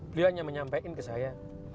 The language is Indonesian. beliau hanya menyampaikan ke saya